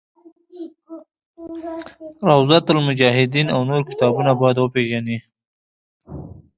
روضة المجاهدین او نور کتابونه باید وپېژني.